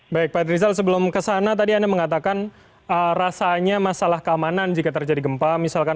baik pak rizal sebelum kesana tadi anda mengatakan rasanya masalah keamanan jika terjadi gempa misalkan